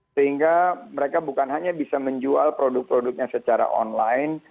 sehingga mereka bukan hanya bisa menjual produk produknya secara online